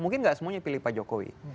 mungkin nggak semuanya pilih pak jokowi